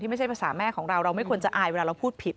ไม่ใช่ภาษาแม่ของเราเราไม่ควรจะอายเวลาเราพูดผิด